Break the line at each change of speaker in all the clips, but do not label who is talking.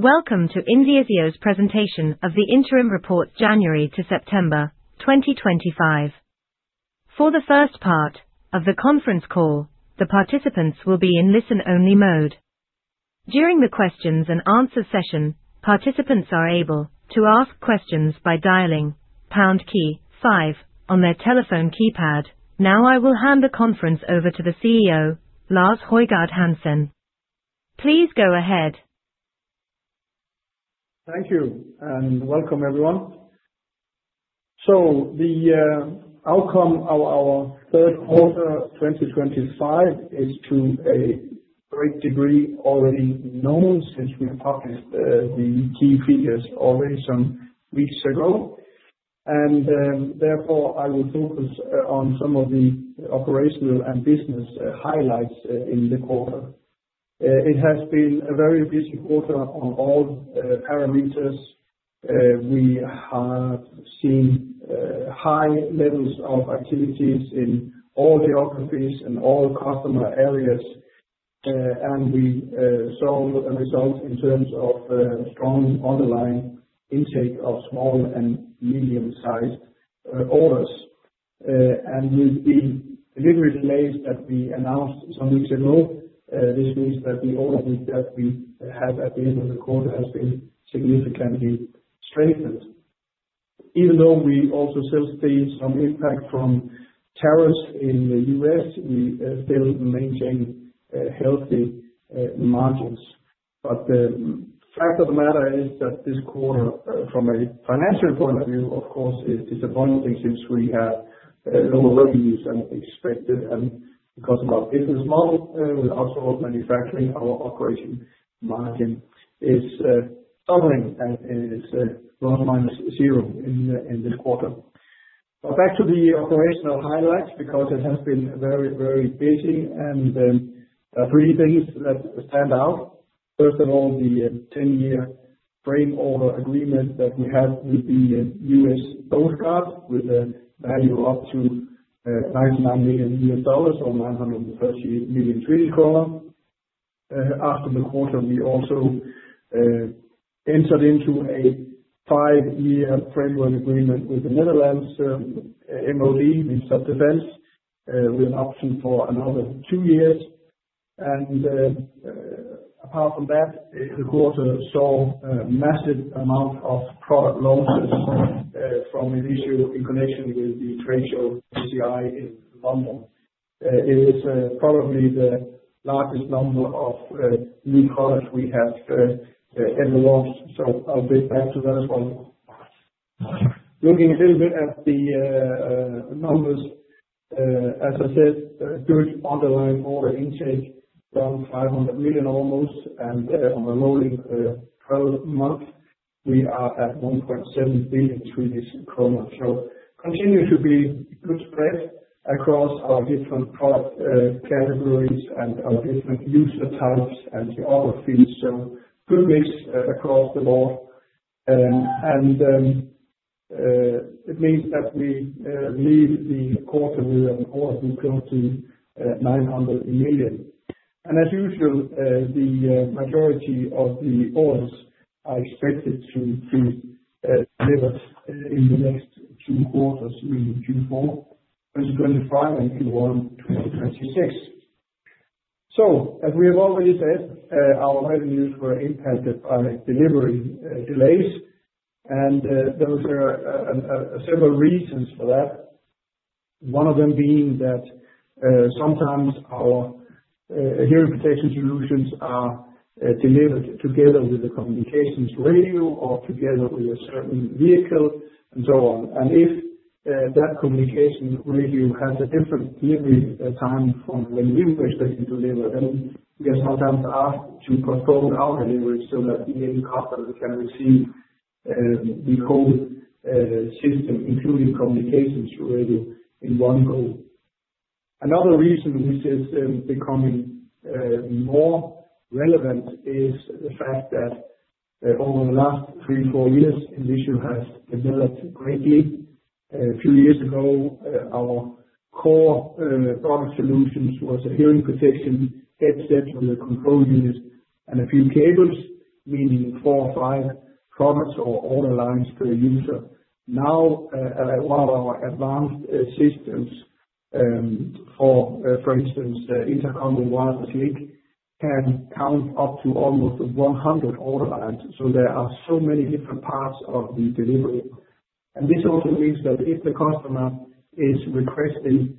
Welcome to INVISIO's Presentation of the Interim Report, January to September 2025. For the first part of the conference call, the participants will be in listen-only mode. During the questions and answers session, participants are able to ask questions by dialing pound key five on their telephone keypad. Now I will hand the conference over to the CEO, Lars Højgård Hansen. Please go ahead.
Thank you, and welcome everyone, so the outcome of our third quarter 2025 is to a great degree already known since we published the key figures already some weeks ago, and therefore, I will focus on some of the operational and business highlights in the quarter. It has been a very busy quarter on all parameters. We have seen high levels of activities in all geographies and all customer areas, and we saw a result in terms of strong order intake of small and medium-sized orders, and with the delivery delays that we announced some weeks ago, this means that the order that we have at the end of the quarter has been significantly strengthened. Even though we also still see some impact from tariffs in the U.S., we still maintain healthy margins. But the fact of the matter is that this quarter, from a financial point of view, of course, is disappointing since we have lower revenues than expected. And because of our business model, we're outsourced manufacturing. Our operating margin is stumbling and is plus minus zero in this quarter. But back to the operational highlights, because it has been very, very busy. And three things that stand out. First of all, the 10-year framework agreement that we have with the U.S. Coast Guard with a value up to $99 million or SEK 930 million. After the quarter, we also entered into a five-year framework agreement with the Netherlands MOD, Ministry of Defence with an option for another two years. And apart from that, the quarter saw a massive amount of product launches from INVISIO in connection with the trade show DSEI in London. It is probably the largest number of new products we have ever launched, so I'll get back to that as well. Looking a little bit at the numbers, as I said, good underlying order intake from 500 million almost, and on a rolling 12 months, we are at 1.7 billion, so continue to be good spread across our different product categories and our different user types and geographies, so good mix across the board, and it means that we leave the quarter with an order booking of 900 million, and as usual, the majority of the orders are expected to be delivered in the next two quarters, meaning Q4 2025 and Q1 2026, so as we have already said, our revenues were impacted by delivery delays, and there were several reasons for that. One of them being that sometimes our hearing protection solutions are delivered together with the communications radio or together with a certain vehicle and so on, and if that communication radio has a different delivery time from when we were expected to deliver, then we are sometimes asked to postpone our delivery so that the end customer can receive the whole system, including communications radio, in one go. Another reason this is becoming more relevant is the fact that over the last three, four years, INVISIO has developed greatly. A few years ago, our core product solutions were a hearing protection headset with a control unit and a few cables, meaning four or five products or order lines per user. Now, one of our advanced systems for instance, intercom and wireless link can count up to almost 100 order lines. So there are so many different parts of the delivery. And this also means that if the customer is requesting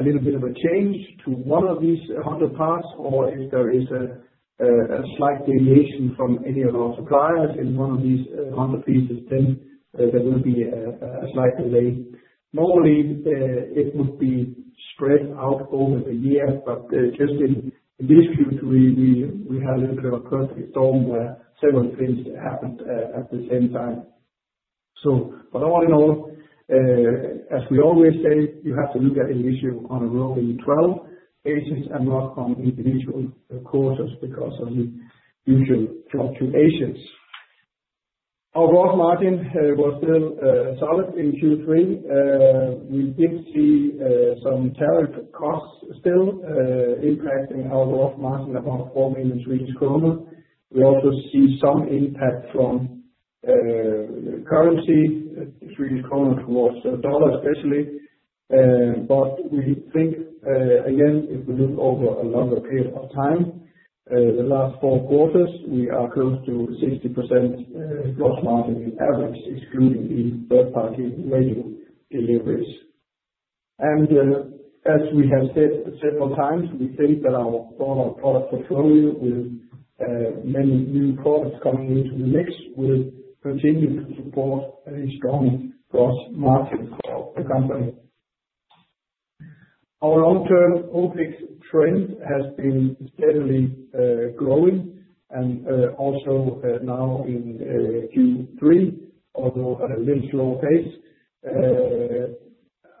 a little bit of a change to one of these 100 parts, or if there is a slight deviation from any of our suppliers in one of these 100 pieces, then there will be a slight delay. Normally, it would be spread out over the year. But just in this period, we had a little bit of a perfect storm where several things happened at the same time. But all in all, as we always say, you have to look at INVISIO on a rolling 12 basis and not from individual quarters because of the usual fluctuations. Our gross margin was still solid in Q3. We did see some tariff costs still impacting our gross margin of about SEK 4 million. We also see some impact from currency, Swedish kroner towards the dollar, especially. But we think, again, if we look over a longer period of time, the last four quarters, we are close to 60% gross margin in average, excluding the third-party radio deliveries. And as we have said several times, we think that our product portfolio with many new products coming into the mix will continue to support a strong gross margin for the company. Our long-term OPEX trend has been steadily growing and also now in Q3, although at a little slower pace.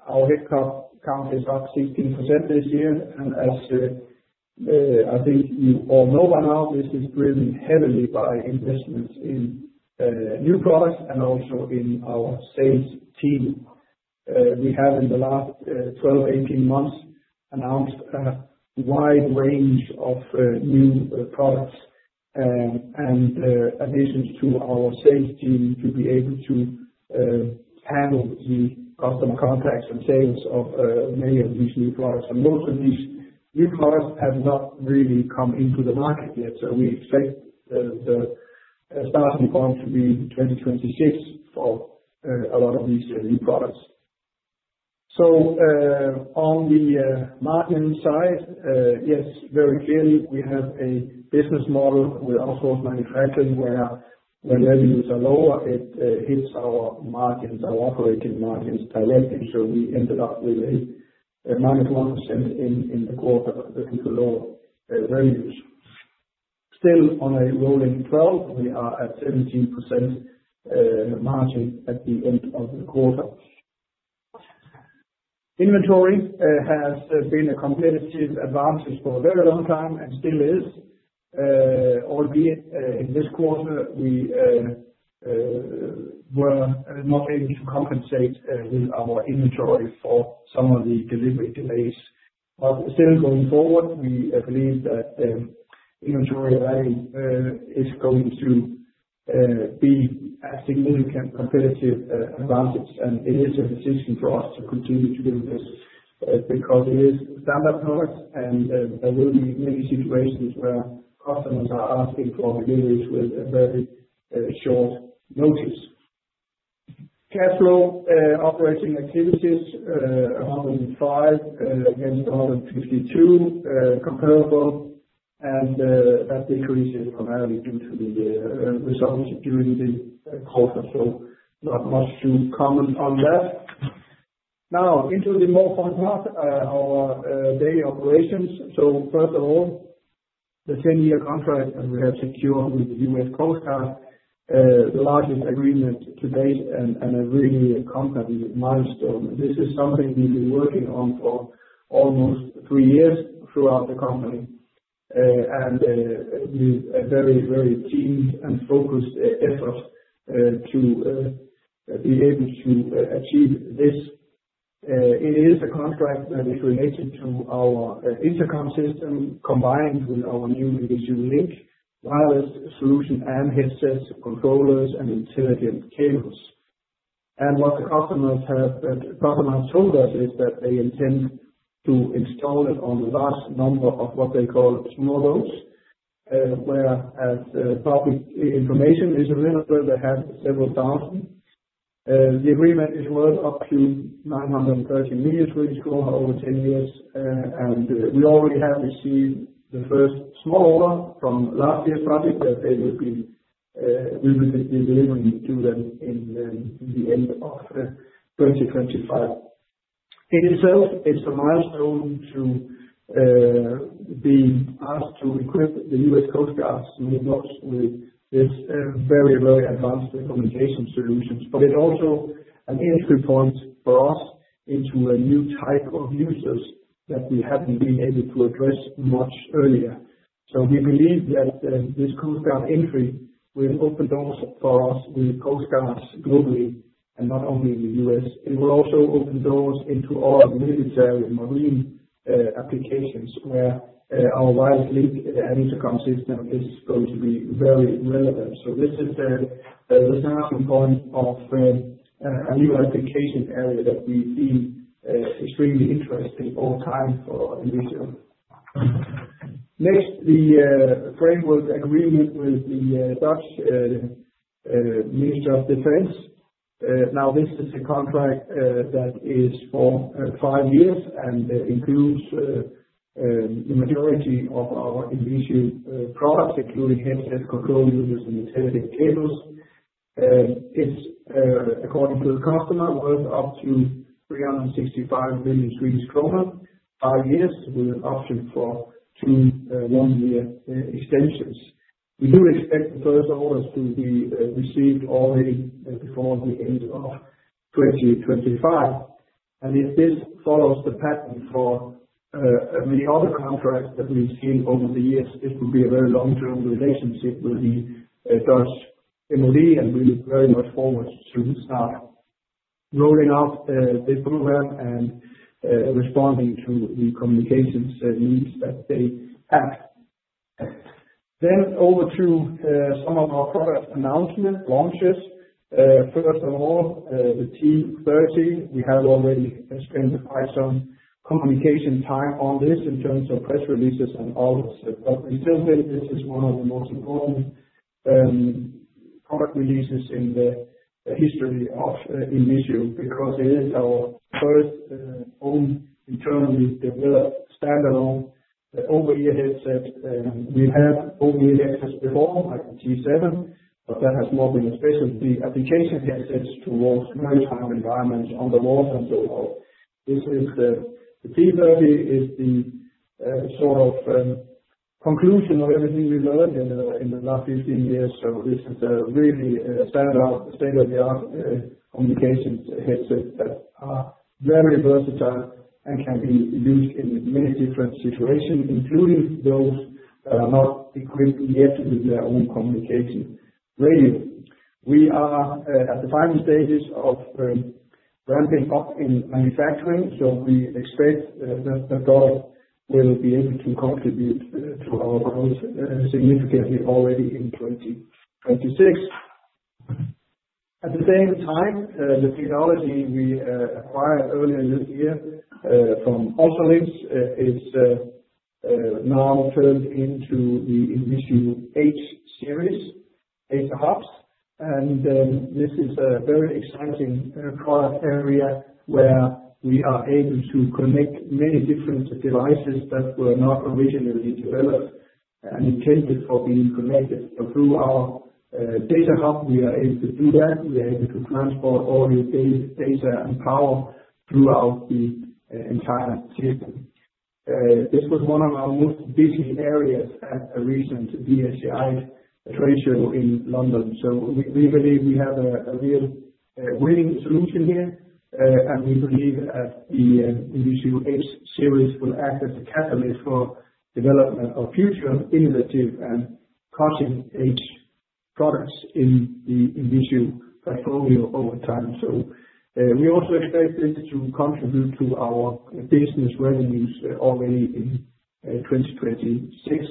Our headcount is up 16% this year. And as I think you all know by now, this is driven heavily by investments in new products and also in our sales team. We have, in the last 12-18 months, announced a wide range of new products and additions to our sales team to be able to handle the customer contacts and sales of many of these new products, and most of these new products have not really come into the market yet, so we expect the starting point to be 2026 for a lot of these new products, so on the margin side, yes, very clearly, we have a business model with outsourced manufacturing where revenues are lower. It hits our margins, our operating margins directly, so we ended up with a minus 1% in the quarter due to lower revenues. Still on a rolling 12, we are at 17% margin at the end of the quarter. Inventory has been a competitive advantage for a very long time and still is. Albeit, in this quarter, we were not able to compensate with our inventory for some of the delivery delays, but still going forward, we believe that inventory value is going to be a significant competitive advantage, and it is a decision for us to continue to do this because it is standard products, and there will be many situations where customers are asking for deliveries with a very short notice. Cash flow operating activities are 105 against 152 comparable, and that decrease is primarily due to the results during the quarter, so not much to comment on that. Now, into the more fun part, our daily operations, so first of all, the 10-year contract that we have secured with the U.S. Coast Guard, the largest agreement to date and a really company milestone. This is something we've been working on for almost three years throughout the company. With a very, very teamed and focused effort to be able to achieve this. It is a contract that is related to our intercom system combined with our new INVISIO Link wireless solution and headsets, controllers, and intelligent cables. What the customers have told us is that they intend to install it on a large number of what they call small boats, where public information is available. They have several thousand. The agreement is worth up to 930 million Swedish kronor over 10 years. We already have received the first small order from last year's project that they will be delivering to them in the end of 2025. In itself, it's a milestone to be asked to equip the U.S. Coast Guard's boats with this very, very advanced communication solutions. But it's also an entry point for us into a new type of users that we haven't been able to address much earlier. So we believe that this Coast Guard entry will open doors for us with Coast Guards globally and not only in the U.S. It will also open doors into all military and marine applications where our wireless link and intercom system is going to be very relevant. So this is the starting point of a new application area that we deem extremely interesting over time for INVISIO. Next, the framework agreement with the Dutch Ministry of Defense. Now, this is a contract that is for five years and includes the majority of our INVISIO products, including headsets, control units, and intelligent cables. It's, according to the customer, worth up to 365 million Swedish kronor, five years with an option for two one-year extensions. We do expect the first orders to be received already before the end of 2025, and if this follows the pattern for many other contracts that we've seen over the years, it will be a very long-term relationship with the Dutch MOD and we look very much forward to start rolling out the program and responding to the communications needs that they have. Then over to some of our product announcement launches. First of all, the T30. We have already spent quite some communication time on this in terms of press releases and others, but we still think this is one of the most important product releases in the history of INVISIO because it is our first own internally developed standalone over-ear headset. We've had over-ear headsets before, like the T7, but that has not been a specialty application headsets towards maritime environments underwater and so forth. This is the T30, is the sort of conclusion of everything we've learned in the last 15 years, so this is a really standard state-of-the-art communications headset that are very versatile and can be used in many different situations, including those that are not equipped yet with their own communication radio. We are at the final stages of ramping up in manufacturing, so we expect that the product will be able to contribute to our growth significantly already in 2026. At the same time, the technology we acquired earlier this year from UltraLYNX is now turned into the INVISIO H-Series, H hubs, and this is a very exciting product area where we are able to connect many different devices that were not originally developed and intended for being connected. Through our data hub, we are able to do that. We are able to transport all your data and power throughout the entire system. This was one of our most busy areas at a recent DSEI trade show in London. So we believe we have a real winning solution here. And we believe that the INVISIO H-Series will act as a catalyst for the development of future innovative and cutting-edge products in the INVISIO portfolio over time. So we also expect this to contribute to our business revenues already in 2026.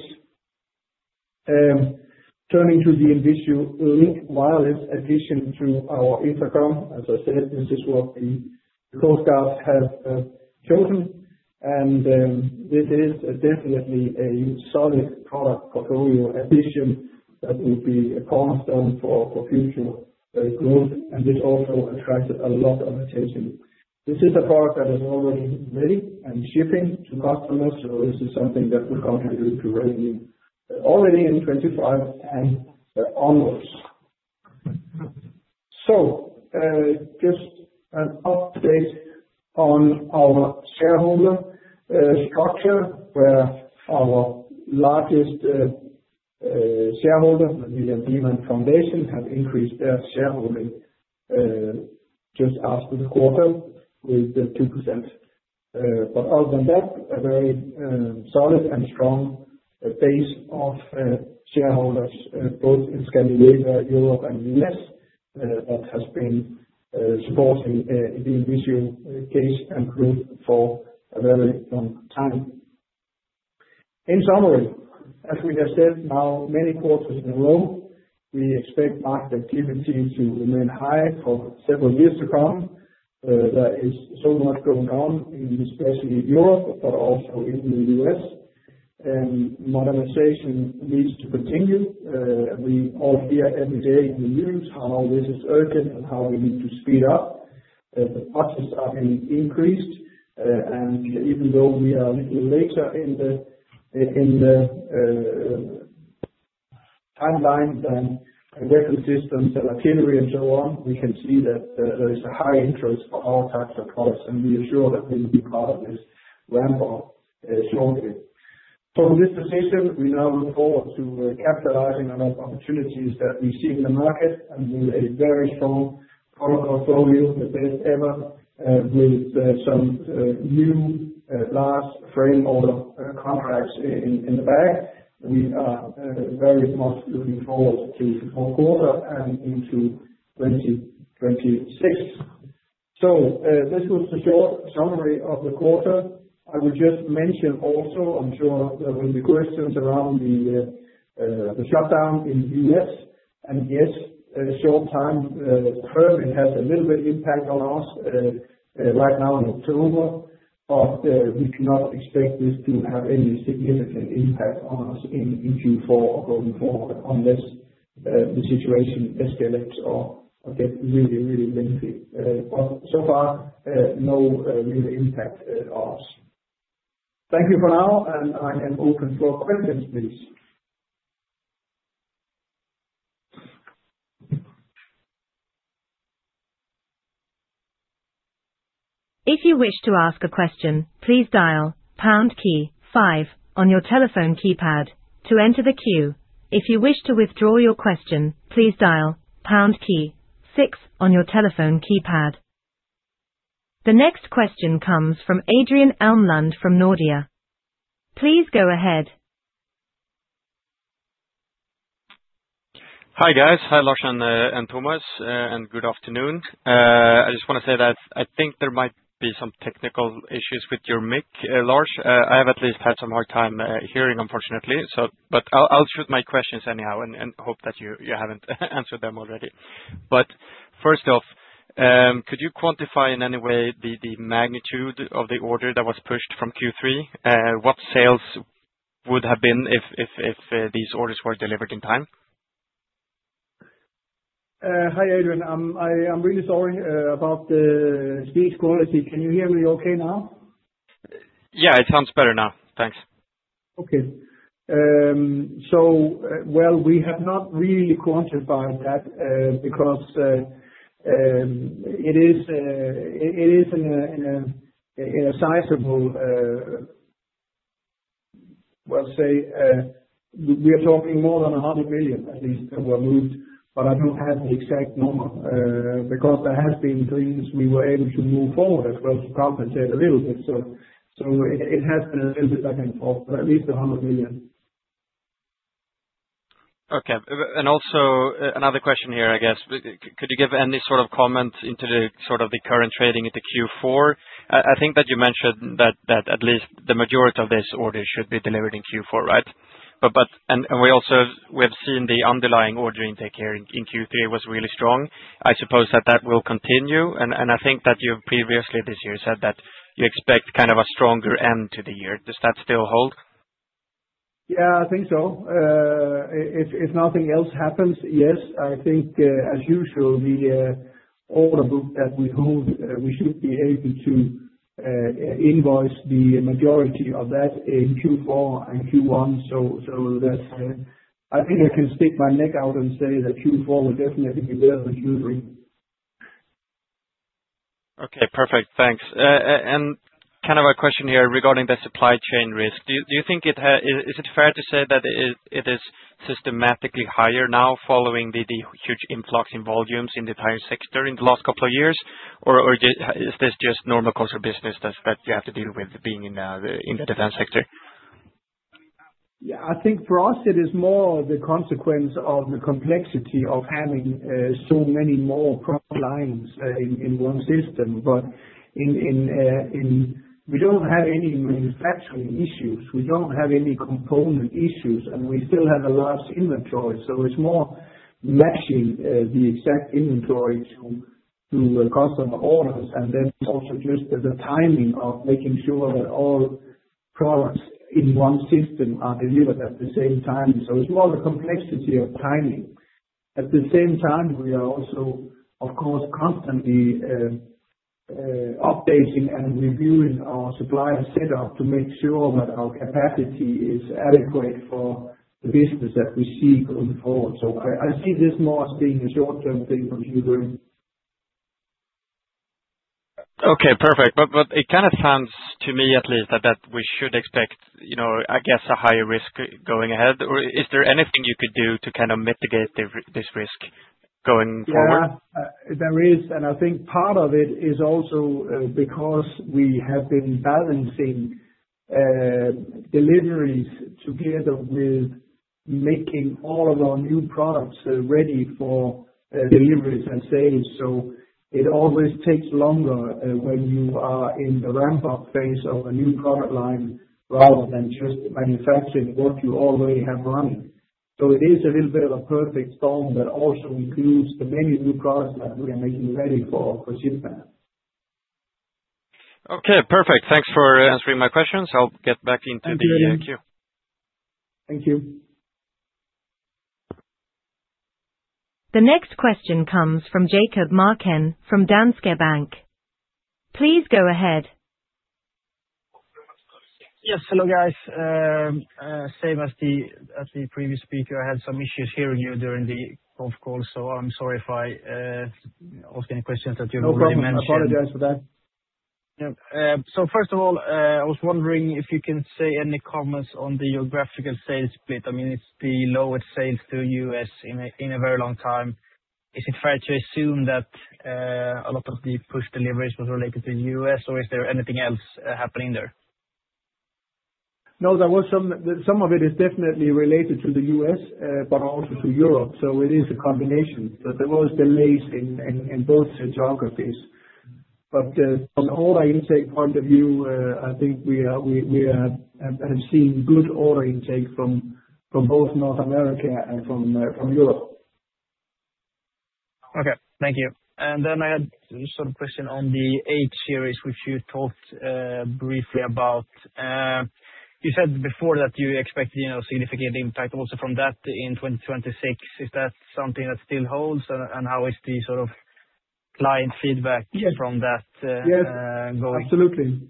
Turning to the INVISIO Link wireless addition to our intercom, as I said, this is what the Coast Guard has chosen. And this is definitely a solid product portfolio addition that will be a cornerstone for future growth. And this also attracted a lot of attention. This is a product that is already ready and shipping to customers. So this is something that will contribute to revenue already in 2025 and onwards. So just an update on our shareholder structure where our largest shareholder, the William Demant Foundation, have increased their shareholding just after the quarter with 2%. But other than that, a very solid and strong base of shareholders, both in Scandinavia, Europe, and the U.S., that has been supporting the INVISIO case and group for a very long time. In summary, as we have said now, many quarters in a row, we expect market activity to remain high for several years to come. There is so much going on, especially in Europe, but also in the U.S. Modernization needs to continue. We all hear every day in the news how this is urgent and how we need to speed up. The budgets are being increased. And even though we are a little later in the timeline than recon systems, the luxury, and so on, we can see that there is a high interest for our types of products. And we are sure that we will be part of this ramp-up shortly. So with this decision, we now look forward to capitalizing on opportunities that we see in the market and with a very strong product portfolio, the best ever, with some new large framework order contracts in the bag. We are very much looking forward to the full quarter and into 2026. So this was the short summary of the quarter. I will just mention also, I'm sure there will be questions around the shutdown in the U.S. And yes, short-term has a little bit of impact on us right now in October. But we cannot expect this to have any significant impact on us in Q4 or going forward unless the situation escalates or gets really, really lengthy. But so far, no real impact on us. Thank you for now. And I am open for questions, please.
If you wish to ask a question, please dial pound key five on your telephone keypad to enter the queue. If you wish to withdraw your question, please dial pound key six on your telephone keypad. The next question comes from Adrian Elmlund from Nordea. Please go ahead.
Hi guys. Hi Lars and Thomas. And good afternoon. I just want to say that I think there might be some technical issues with your mic, Lars. I have at least had some hard time hearing, unfortunately. But I'll shoot my questions anyhow and hope that you haven't answered them already. But first off, could you quantify in any way the magnitude of the order that was pushed from Q3? What sales would have been if these orders were delivered in time?
Hi, Adrian. I am really sorry about the speech quality. Can you hear me okay now?
Yeah, it sounds better now. Thanks.
Okay. So, well, we have not really quantified that because it is a sizable, well, say, we are talking more than 100 million at least that were moved. But I don't have the exact number because there have been things we were able to move forward as well to compensate a little bit. So it has been a little bit back and forth, but at least 100 million.
Okay. And also another question here, I guess. Could you give any sort of comment on the sort of current trading at the Q4? I think that you mentioned that at least the majority of this order should be delivered in Q4, right? And we have seen the underlying order intake here in Q3 was really strong. I suppose that that will continue. And I think that you previously this year said that you expect kind of a stronger end to the year. Does that still hold?
Yeah, I think so. If nothing else happens, yes. I think, as usual, the order book that we hold, we should be able to invoice the majority of that in Q4 and Q1. So I think I can stick my neck out and say that Q4 will definitely be better than Q3.
Okay. Perfect. Thanks. And kind of a question here regarding the supply chain risk. Do you think it is fair to say that it is systematically higher now following the huge influx in volumes in the entire sector in the last couple of years? Or is this just normal corporate business that you have to deal with being in the defense sector?
Yeah. I think for us, it is more of the consequence of the complexity of having so many more product lines in one system. But we don't have any manufacturing issues. We don't have any component issues. And we still have a large inventory. So it's more matching the exact inventory to customer orders. And then also just the timing of making sure that all products in one system are delivered at the same time. So it's more the complexity of timing. At the same time, we are also, of course, constantly updating and reviewing our supplier setup to make sure that our capacity is adequate for the business that we see going forward. So I see this more as being a short-term thing that you're doing.
Okay. Perfect. But it kind of sounds to me, at least, that we should expect, I guess, a higher risk going ahead. Or is there anything you could do to kind of mitigate this risk going forward?
Yeah. There is. And I think part of it is also because we have been balancing deliveries together with making all of our new products ready for deliveries and sales. So it always takes longer when you are in the ramp-up phase of a new product line rather than just manufacturing what you already have running. So it is a little bit of a perfect storm that also includes the many new products that we are making ready for shipment.
Okay. Perfect. Thanks for answering my questions. I'll get back into the queue.
Thank you. The next question comes from Jakob Marken from Danske Bank. Please go ahead.
Yes. Hello guys. Same as the previous speaker, I had some issues hearing you during the off-call. So I'm sorry if I asked any questions that you already mentioned. No problem. I apologize for that. So first of all, I was wondering if you can say any comments on the geographical sales split. I mean, it's the lowest sales to the U.S. in a very long time. Is it fair to assume that a lot of the push deliveries was related to the U.S.? Or is there anything else happening there?
No, some of it is definitely related to the U.S., but also to Europe. So it is a combination. There were delays in both geographies. But from order intake point of view, I think we have seen good order intake from both North America and from Europe.
Okay. Thank you. And then I had sort of a question on the H-Series, which you talked briefly about. You said before that you expected a significant impact also from that in 2026. Is that something that still holds? And how is the sort of client feedback from that going?
Yes. Absolutely.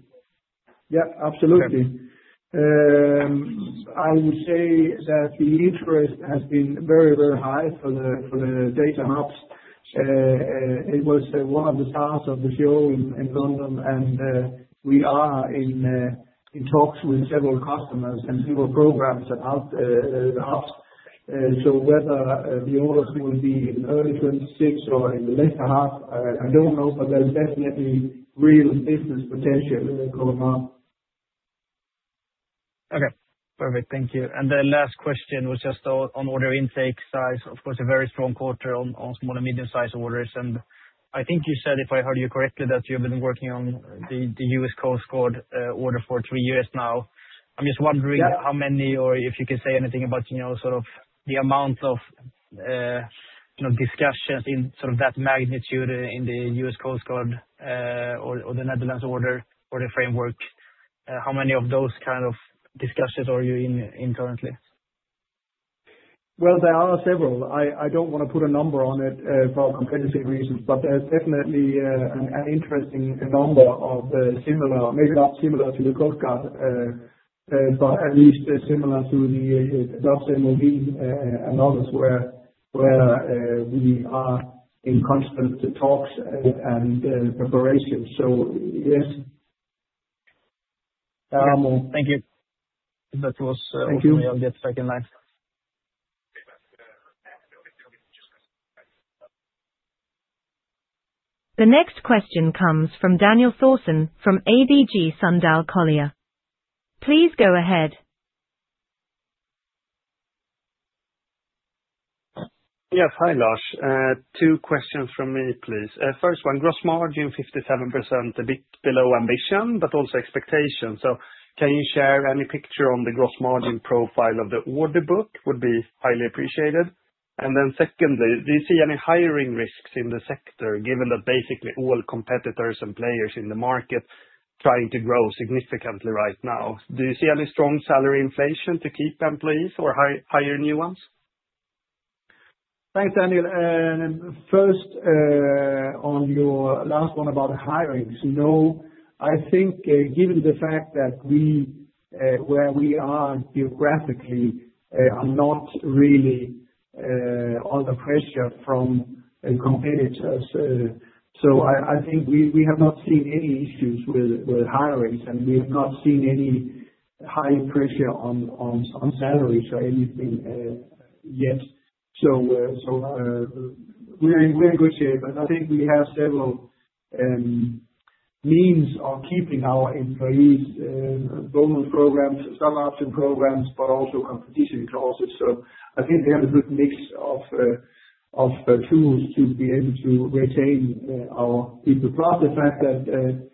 Yeah. Absolutely. I would say that the interest has been very, very high for the data hubs. It was one of the stars of the show in London. And we are in talks with several customers and several programs about the hubs. So whether the orders will be in early 2026 or in the later half, I don't know. But there's definitely real business potential coming up.
Okay. Perfect. Thank you. And the last question was just on order intake size. Of course, a very strong quarter on small and medium-sized orders. And I think you said, if I heard you correctly, that you've been working on the U.S. Coast Guard order for three years now. I'm just wondering how many, or if you can say anything about sort of the amount of discussions in sort of that magnitude in the U.S. Coast Guard or the Netherlands order or the framework. How many of those kind of discussions are you in currently?
Well, there are several. I don't want to put a number on it for competitive reasons. But there's definitely an interesting number of similar, maybe not similar to the Coast Guard, but at least similar to the Gulfstream OV and others where we are in constant talks and preparations. So yes. There are more.
Thank you. That was all. We'll get back in line.
The next question comes from Daniel Thorsson from ABG Sundal Collier. Please go ahead.
Yes. Hi Lars. Two questions from me, please. First one, gross margin 57%, a bit below ambition, but also expectation. So can you share any picture on the gross margin profile of the order book? Would be highly appreciated. And then secondly, do you see any hiring risks in the sector given that basically all competitors and players in the market are trying to grow significantly right now? Do you see any strong salary inflation to keep employees or hire new ones?
Thanks, Daniel. First, on your last one about hiring, I think given the fact that where we are geographically, I'm not really under pressure from competitors, so I think we have not seen any issues with hirings, and we have not seen any high pressure on salaries or anything yet, so we're in good shape, and I think we have several means of keeping our employees, both programs, some option programs, but also competition clauses, so I think we have a good mix of tools to be able to retain our people. Plus the fact that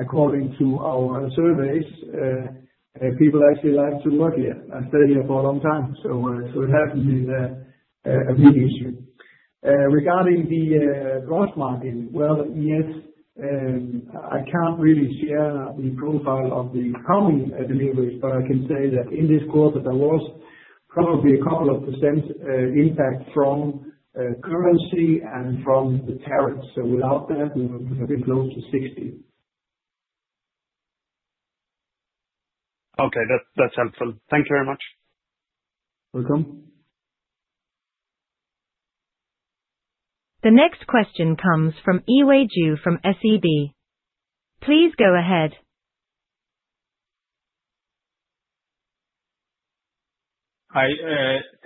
according to our surveys, people actually like to work here and stay here for a long time, so it hasn't been a big issue. Regarding the gross margin, well, yes, I can't really share the profile of the coming deliveries. But I can say that in this quarter, there was probably a couple of % impact from currency and from the tariffs, so without that, we're close to 60%.
Okay. That's helpful. Thank you very much. You're welcome.
The next question comes from Yiwei Zhou from SEB. Please go ahead.
Hi.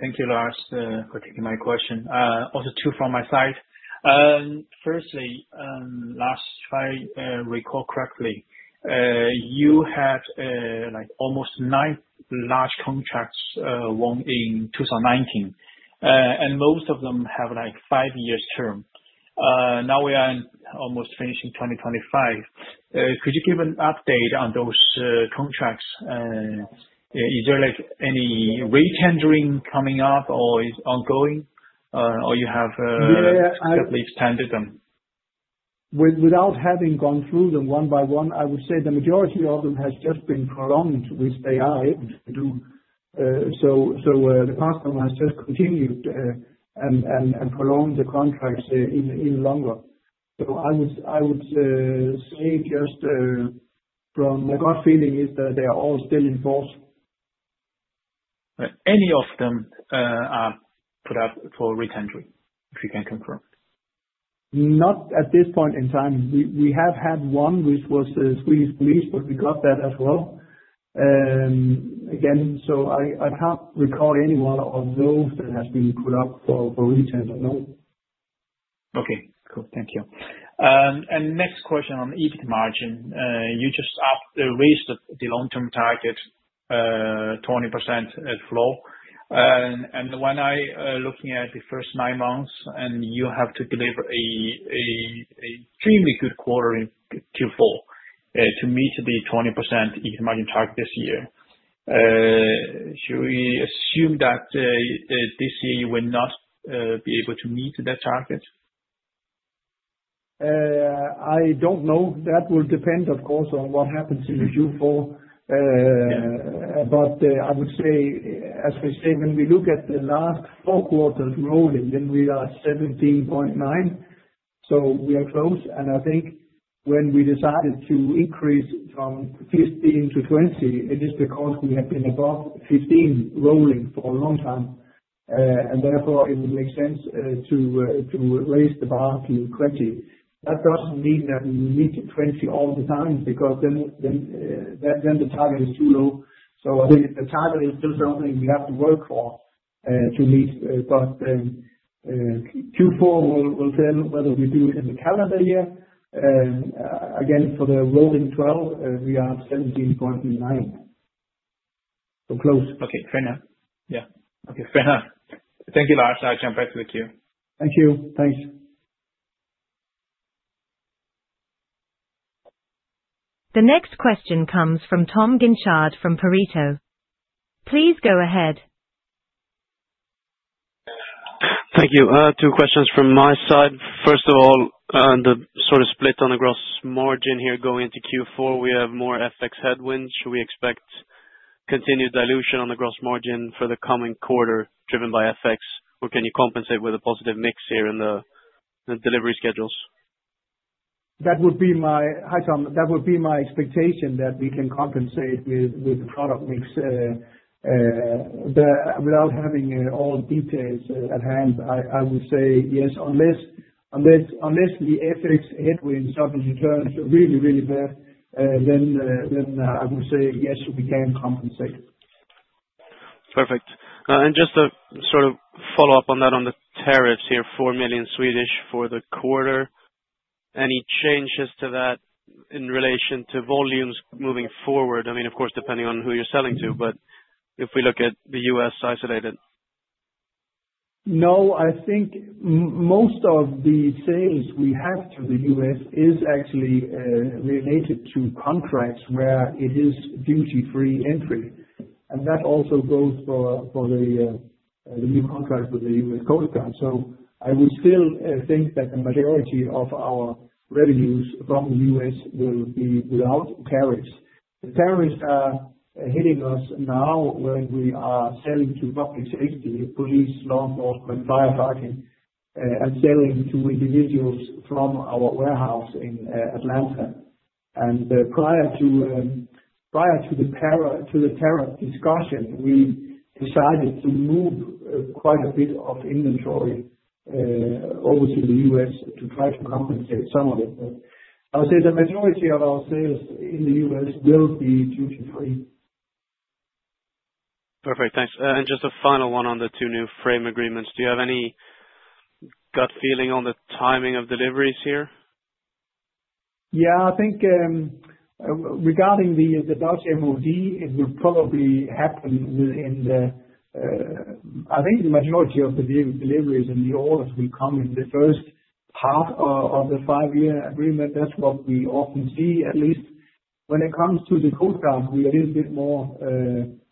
Thank you, Lars, for taking my question. Also two from my side. Firstly, last I recall correctly, you had almost nine large contracts won in 2019, and most of them have five-year term. Now we are almost finishing 2025. Could you give an update on those contracts? Is there any retendering coming up or ongoing? Or you have definitely extended them?
Without having gone through them one by one, I would say the majority of them has just been prolonged with AI to do, so the customer has just continued and prolonged the contracts even longer. So I would say just from my gut feeling is that they are all still in force.
Any of them are put up for retendering, if you can confirm?
Not at this point in time. We have had one which was Swedish Police, but we got that as well. Again, so I can't recall anyone of those that has been put up for retendering.
No. Okay. Cool. Thank you. And next question on EBIT margin. You just raised the long-term target, 20% floor. And when I'm looking at the first nine months, and you have to deliver an extremely good quarter in Q4 to meet the 20% EBIT margin target this year. Should we assume that this year you will not be able to meet that target?
I don't know. That will depend, of course, on what happens in Q4. But I would say, as we say, when we look at the last four quarters rolling, then we are 17.9%. So we are close. And I think when we decided to increase from 15% to 20%, it is because we have been above 15% rolling for a long time. And therefore, it would make sense to raise the bar to 20%. That doesn't mean that we will meet 20% all the time because then the target is too low. So I think the target is still something we have to work for to meet. But Q4 will tell whether we do it in the calendar year. Again, for the rolling 12, we are 17.9%.
So close. Okay. Fair enough. Yeah. Okay. Fair enough. Thank you, Lars. I'll jump back to the queue.
Thank you. Thanks. The next question comes from Tom Guinchard from Pareto. Please go ahead.
Thank you. Two questions from my side. First of all, the sort of split on the gross margin here going into Q4, we have more FX headwinds. Should we expect continued dilution on the gross margin for the coming quarter driven by FX? Or can you compensate with a positive mix here in the delivery schedules?
That would be my hi, Tom. That would be my expectation that we can compensate with the product mix without having all details at hand. I would say yes. Unless the FX headwind suddenly turns really, really bad, then I would say yes, we can compensate.
Perfect. And just to sort of follow up on that on the tariffs here, 4 million for the quarter. Any changes to that in relation to volumes moving forward? I mean, of course, depending on who you're selling to. But if we look at the U.S. isolated?
No. I think most of the sales we have to the U.S. is actually related to contracts where it is duty-free entry. And that also goes for the new contracts with the U.S. Coast Guard. So I would still think that the majority of our revenues from the U.S. will be without tariffs. The tariffs are hitting us now when we are selling to public safety, police, law enforcement, firefighting, and selling to individuals from our warehouse in Atlanta. And prior to the tariff discussion, we decided to move quite a bit of inventory over to the U.S. to try to compensate some of it. I would say the majority of our sales in the U.S. will be duty-free.
Perfect. Thanks. And just a final one on the two new framework agreements. Do you have any gut feeling on the timing of deliveries here?
Yeah. I think regarding the Dutch MOD, it will probably happen within. I think the majority of the deliveries and the orders will come in the first half of the five-year agreement. That's what we often see. At least when it comes to the Coast Guard, we are a little bit more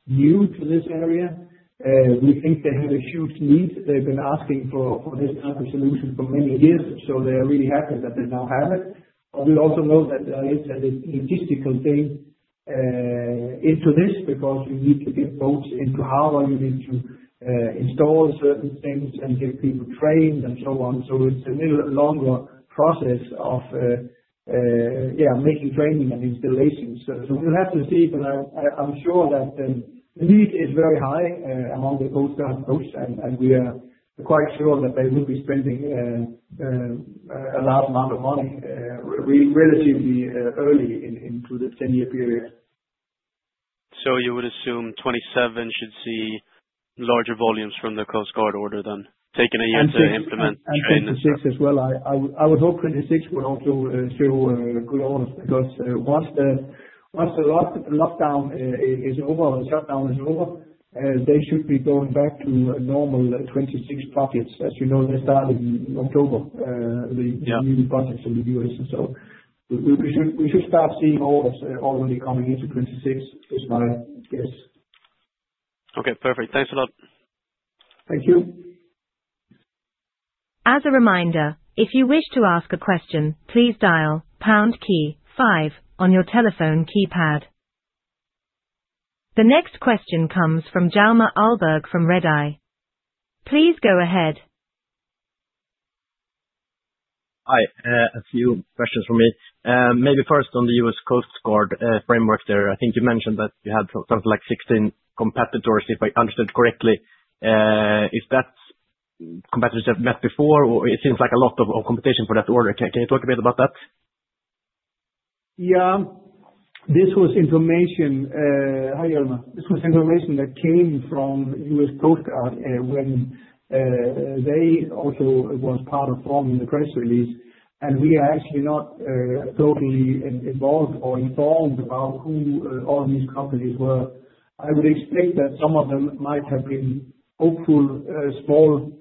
new to this area. We think they have a huge need. They've been asking for this type of solution for many years. So they are really happy that they now have it. But we also know that there is a logistical thing into this because you need to get boats into harbor. You need to install certain things and get people trained and so on. So it's a little longer process of making training and installations. So we'll have to see. But I'm sure that the need is very high among the Coast Guard folks. And we are quite sure that they will be spending a large amount of money relatively early into the 10-year period. So you would assume 2027 should see larger volumes from the Coast Guard order then, taking a year to implement training? And 2026 as well. I would hope 2026 would also show good orders because once the lockdown is over or the shutdown is over, they should be going back to normal 2026 pockets. As you know, they started in October, the new pockets in the U.S. So we should start seeing orders already coming into 2026, is my guess.
Okay. Perfect. Thanks a lot.
Thank you.
As a reminder, if you wish to ask a question, please dial pound key five on your telephone keypad. The next question comes from Hjalmar Ahlberg from Redeye. Please go ahead.
Hi. A few questions for me. Maybe first on the U.S. Coast Guard framework there. I think you mentioned that you had something like 16 competitors, if I understood correctly. Is that competitors you have met before? It seems like a lot of competition for that order. Can you talk a bit about that?
Yeah. This was information, Hi, Hjalmar. This was information that came from U.S. Coast Guard when they also were part of forming the press release, and we are actually not totally involved or informed about who all these companies were. I would expect that some of them might have been hopeful small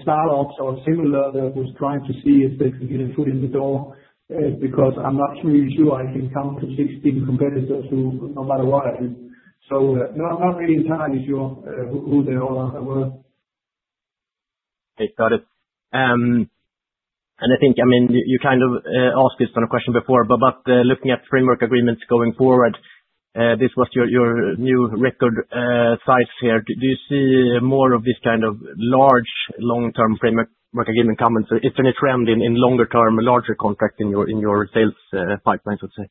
startups or similar that were trying to see if they could get a foot in the door because I'm not really sure I can count the 16 competitors no matter what I do, so I'm not really entirely sure who they all were.
I got it. And I think, I mean, you kind of asked this sort of question before. But looking at framework agreements going forward, this was your new record size here. Do you see more of this kind of large long-term framework agreement coming? Is there any trend in longer-term, larger contracts in your sales pipeline, so to say?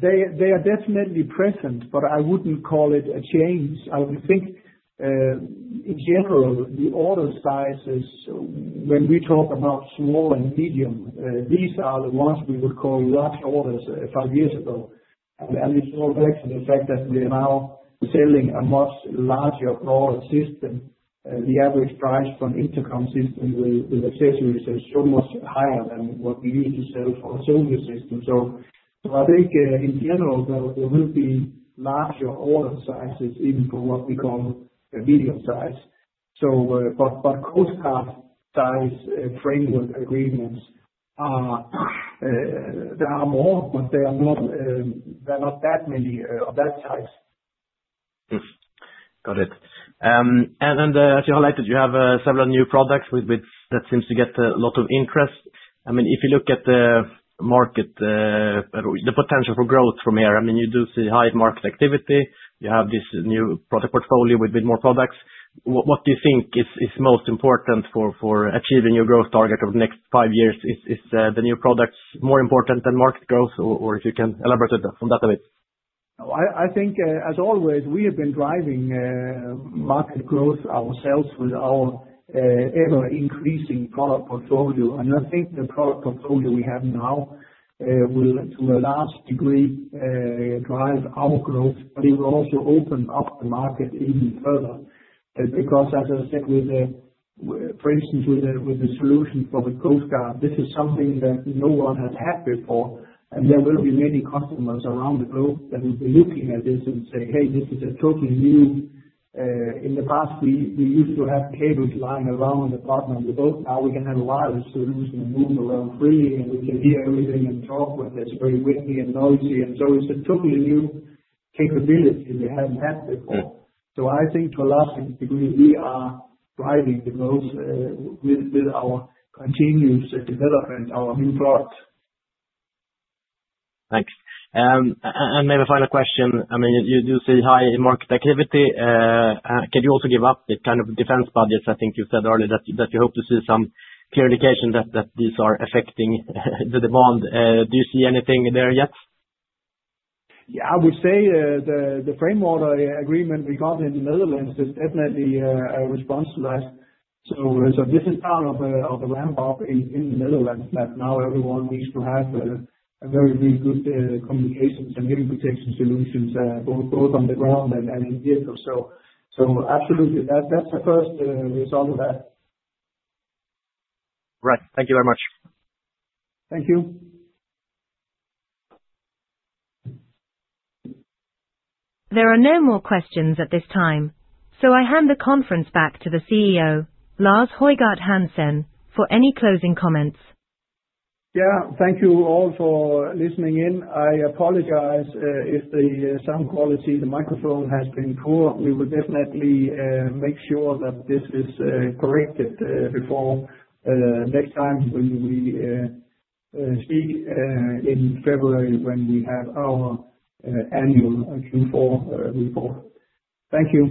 They are definitely present, but I wouldn't call it a change. I would think, in general, the order sizes, when we talk about small and medium, these are the ones we would call large orders five years ago. And it's all back to the fact that we are now selling a much larger, broader system. The average price for an intercom system with accessories is so much higher than what we used to sell for a service system. So I think, in general, there will be larger order sizes even for what we call a medium size. But Coast Guard-sized framework agreements, there are more, but they are not that many of that size.
Got it. And as you highlighted, you have several new products that seem to get a lot of interest. I mean, if you look at the market, the potential for growth from here, I mean, you do see high market activity. You have this new product portfolio with more products. What do you think is most important for achieving your growth target over the next five years? Is the new products more important than market growth? Or if you can elaborate on that a bit.
I think, as always, we have been driving market growth ourselves with our ever-increasing product portfolio. And I think the product portfolio we have now will, to a large degree, drive our growth. But it will also open up the market even further. Because, as I said, for instance, with the solution for the Coast Guard, this is something that no one has had before. And there will be many customers around the globe that will be looking at this and say, "Hey, this is a totally new." In the past, we used to have cables lying around the bottom of the boat. Now we can have a wireless solution and move around freely. And we can hear everything and talk when it's very windy and noisy. And so it's a totally new capability we haven't had before. So I think, to a large degree, we are driving the growth with our continuous development, our new products.
Thanks. And maybe a final question. I mean, you do see high market activity. Can you also give up the kind of defense budgets? I think you said earlier that you hope to see some clarification that these are affecting the demand. Do you see anything there yet?
Yeah. I would say the framework agreement we got in the Netherlands is definitely responsible. So this is part of the ramp-up in the Netherlands that now everyone needs to have very, very good communication and hearing protection solutions both on the ground and in vehicles. So absolutely, that's the first result of that.
Right. Thank you very much.
Thank you.
There are no more questions at this time. So I hand the conference back to the CEO, Lars Højgård Hansen, for any closing comments.
Yeah. Thank you all for listening in. I apologize if the sound quality, the microphone has been poor. We will definitely make sure that this is corrected before next time when we speak in February when we have our annual Q4 report. Thank you.